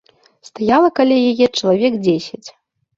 Стаяла каля яе чалавек дзесяць.